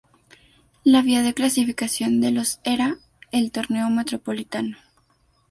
La vía de clasificación de los era el Torneo Metropolitano.